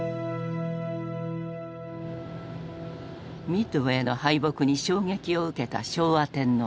ミッドウェーの敗北に衝撃を受けた昭和天皇。